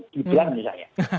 gitu aja misalnya